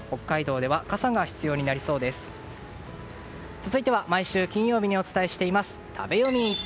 続いては毎週金曜日にお伝えしています食べヨミ。